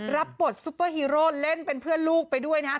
รับบทซุปเปอร์ฮีโร่เล่นเป็นเพื่อนลูกไปด้วยนะฮะ